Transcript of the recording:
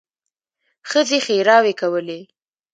ښځې ښېراوې کولې.